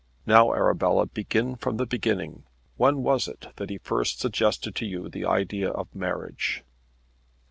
Now, Arabella, begin from the beginning. When was it that he first suggested to you the idea of marriage?"